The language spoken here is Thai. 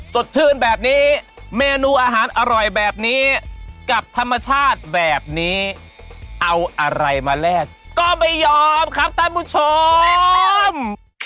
สดชื่นแบบนี้เมนูอาหารอร่อยแบบนี้กับธรรมชาติแบบนี้เอาอะไรมาแลกก็ไม่ยอมครับท่านผู้ชม